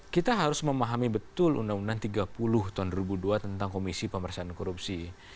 kita harus memahami betul undang undang tiga puluh tahun dua ribu dua tentang komisi pemerintahan korupsi